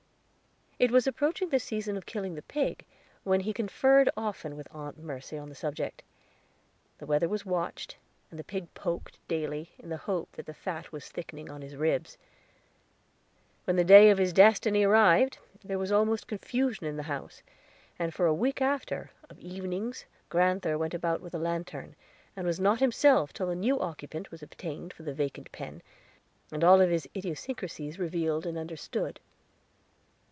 It was approaching the season of killing the pig, and he conferred often with Aunt Mercy on the subject. The weather was watched, and the pig poked daily, in the hope that the fat was thickening on his ribs. When the day of his destiny arrived, there was almost confusion in the house, and for a week after, of evenings, grand'ther went about with a lantern, and was not himself till a new occupant was obtained for the vacant pen, and all his idiosyncracies revealed and understood.